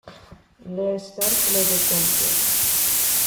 Les Essarts-le-Vicomte